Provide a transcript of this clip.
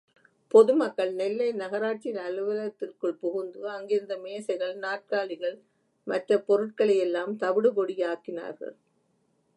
பொதுமக்கள் நெல்லை நகராட்சி அலுவலகத்திற்குள் புகுந்து அங்கிருந்த மேசைகள் நாற்காலிகள், மற்ற பொருட்களை எல்லாம் தவிடு பொடியாக்கினார்கள்.